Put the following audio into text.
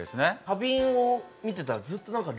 花瓶を見てたらずっと。